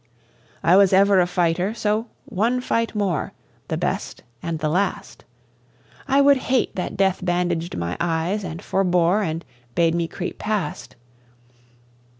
I was ever a fighter, so one fight more. The best and the last! I would hate that death bandaged my eyes, and forebore, And bade me creep past.